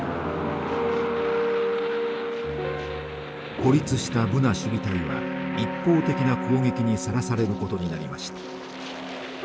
孤立したブナ守備隊は一方的な攻撃にさらされることになりました。